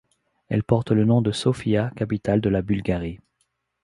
Elle porte le nom de Sofia, capitale de la Bulgarie.